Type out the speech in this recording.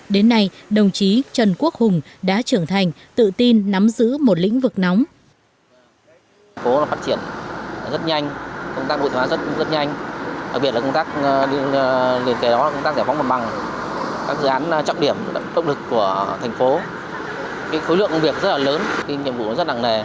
đến nay đồng chí trần quốc hùng đã trưởng thành tự tin nắm giữ một lĩnh vực nóng